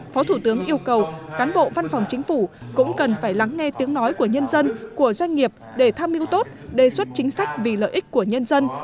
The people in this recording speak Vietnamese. phó thủ tướng yêu cầu cán bộ văn phòng chính phủ cũng cần phải lắng nghe tiếng nói của nhân dân của doanh nghiệp để tham mưu tốt đề xuất chính sách vì lợi ích của nhân dân